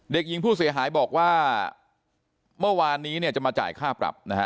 เด็กหญิงผู้เสียหายบอกว่าเมื่อวานนี้เนี่ยจะมาจ่ายค่าปรับนะฮะ